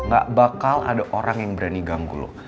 gak bakal ada orang yang berani ganggu loh